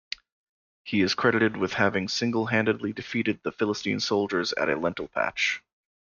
He is credited with having single-handedly defeated these Philistine soldiers at a lentil patch.